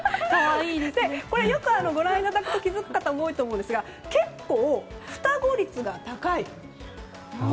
これ、よくご覧いただくと気づく方もいると思いますが結構、双子率が高い。